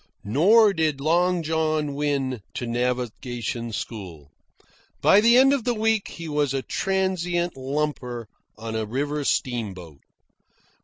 Nor did Long John win to navigation school. By the end of the week he was a transient lumper on a river steamboat.